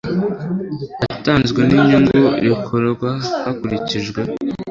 yatanzwe n inyungu rikorwa hakurikijwe